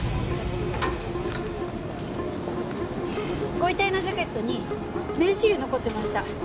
ご遺体のジャケットに名刺入れ残ってました。